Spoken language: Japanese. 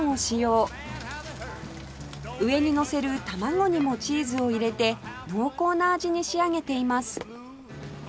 上にのせる卵にもチーズを入れて濃厚な味に仕上げています